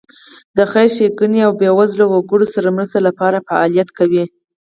د خیر ښېګڼې او بېوزله وګړو سره مرستې لپاره فعالیت کوي.